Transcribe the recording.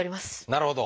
なるほど！